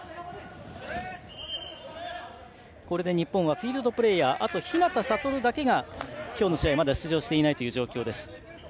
日本はフィールドプレーヤーは日向賢だけが今日の試合にまだ出場していない状況。